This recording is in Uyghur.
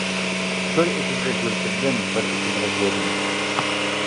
بىر ئېتىزغا گۈل تېرىدىم، بىر ئېتىزغا يۆگىمەچ.